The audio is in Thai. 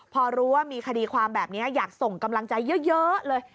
พอรู้ว่ามีคดีความแบบนี้อยากส่งกำลังใจเยอะเลย